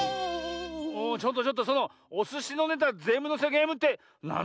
ちょっとちょっとそのおすしのネタぜんぶのせゲームってなんだいそれ？